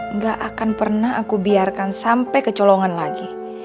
nggak akan pernah aku biarkan sampai kecolongan lagi